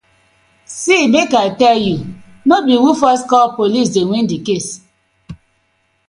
See mek I tell you be who first call Police dey win the case,